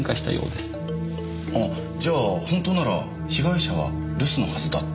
あじゃあ本当なら被害者は留守のはずだった。